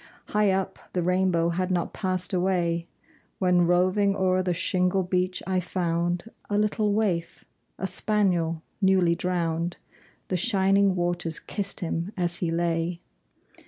High up, the rainbow had not passed away, When, roving o'er the shingle beach, I found A little waif, a spaniel newly drowned; The shining waters kissed him as he lay.